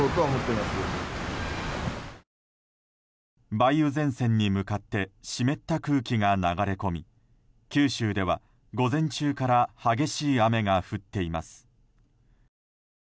梅雨前線に向かって湿った空気が流れ込み九州では、午前中から激しい雨が降っています。